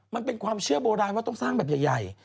มันเป็นความเชื่อโบราณว่าต้องสร้างแบบใหญ่